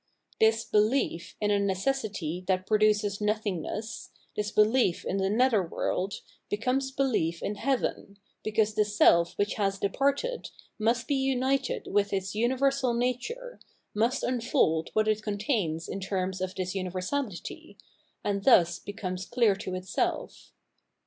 This belief in a necessity that produces nothing ness, this belief in the nether world, becomes behef in Heaven, because the seM which has departed must be united with its universal nature, must unfold what it contains in terms of this universality, and thus Religion 687 become clear to itself.